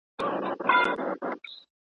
پخوا د ځينو دولتونو ترمنځ اړيکې ترينګلې وې.